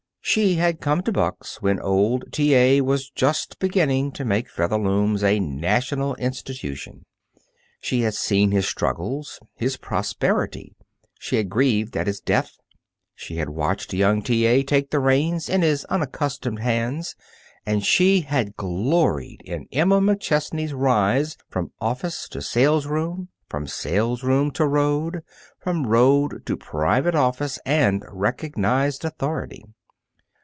She had come to Buck's when old T. A. was just beginning to make Featherlooms a national institution. She had seen his struggles, his prosperity; she had grieved at his death; she had watched young T. A. take the reins in his unaccustomed hands, and she had gloried in Emma McChesney's rise from office to salesroom, from salesroom to road, from road to private office and recognized authority.